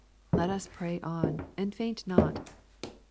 Let us pray on, and faint not.